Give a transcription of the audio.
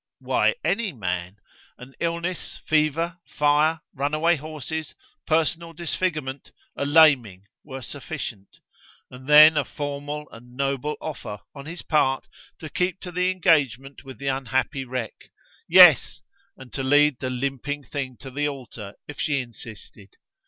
Why any man? An illness, fever, fire, runaway horses, personal disfigurement, a laming, were sufficient. And then a formal and noble offer on his part to keep to the engagement with the unhappy wreck: yes, and to lead the limping thing to the altar, if she insisted.